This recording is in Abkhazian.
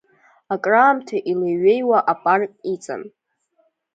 Акраамҭа илеиҩеиуа апарк иҵан.